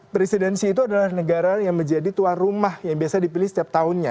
presidensi itu adalah negara yang menjadi tuan rumah yang biasa dipilih setiap tahunnya